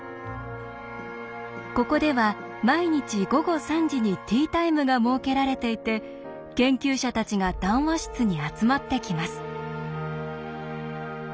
ここでは毎日午後３時にティータイムが設けられていて研究者たちが談話室に集まってきます。